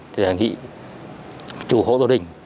thì hành hị chủ hộ gia đình